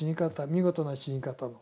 見事な死に方の。